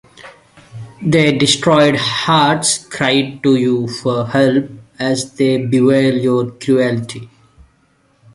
Their destroyed hearts cry to you for help as they bewail your cruelty.